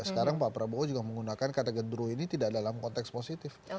sekarang pak prabowo juga menggunakan kata gendru ini tidak dalam konteks positif